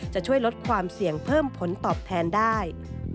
จะช่วยลดความเสี่ยงเพิ่มผลตอบแทนได้